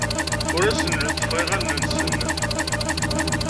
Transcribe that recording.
Ur asen-lettfeɣ iɣallen-nsen.